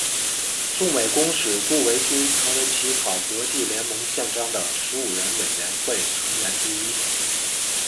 驻美公使顾维钧成为起草国际联盟宪章的十五人委员会成员之一。